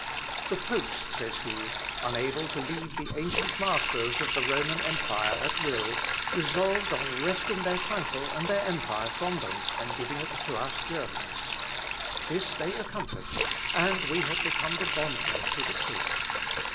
"The popes," says he, "unable to lead the ancient masters of the Roman empire at will, resolved on wresting their title and their empire from them and giving it to us Germans. This they accomplished, and we have become bondmen to the pope.